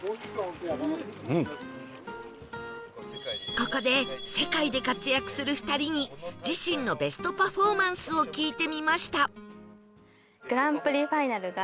ここで世界で活躍する２人に自身のベストパフォーマンスを聞いてみました